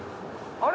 あれ？